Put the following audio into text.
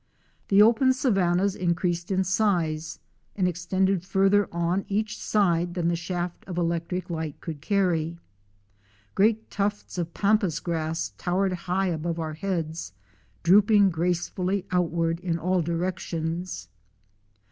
The open savannas increased in size and extended farther on each side than the shaft of electric light could carry. Great tufts of pampas grass towered high above our heads, drooping gracefully outward in all directions.